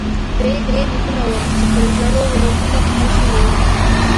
دوی درې لیکونه وو چې پر ژړو ورېښمو کښل شوي وو.